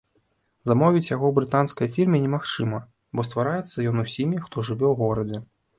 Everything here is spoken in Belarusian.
Замовіць яго брытанскай фірме немагчыма, бо ствараецца ён усімі, хто жыве ў горадзе.